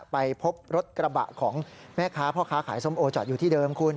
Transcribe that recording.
ไปพบรถกระบะของแม่ค้าพ่อค้าขายส้มโอจอดอยู่ที่เดิมคุณ